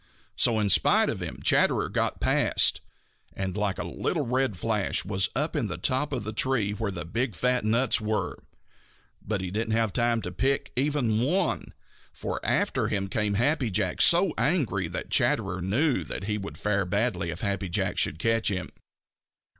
So in spite of him Chatterer got past, and like a little red flash was up in the top of the tree where the big, fat nuts were. But he didn't have time to pick even one, for after him came Happy Jack so angry that Chatterer knew that he would fare badly if Happy Jack should catch him.